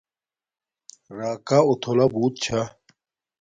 راکا اُتھولہ بوت چھا